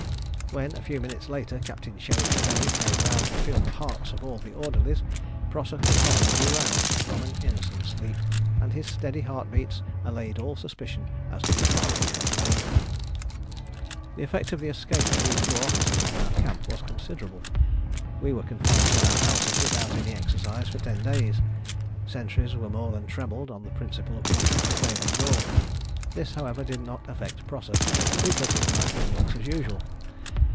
When a few minutes later Captain Sherif Bey came round to feel the hearts of all the orderlies, Prosser could hardly be roused from an innocent sleep, and his steady heart beats allayed all suspicion as to the part he had played. [Illustration: From a sketch by Major F. S. Barker, R.E. AN OLD BRIDGE AT KASTAMONI.] The effect of the escape of these four officers on our camp was considerable. We were confined to our houses without any exercise for ten days; sentries were more than trebled on the principle of locking the stable door. This, however, did not affect Prosser, who took his nightly walks as usual.